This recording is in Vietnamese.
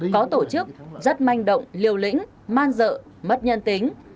có tổ chức rất manh động liều lĩnh man dợ mất nhân tính